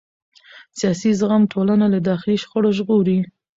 سیاسي زغم ټولنه له داخلي شخړو ژغوري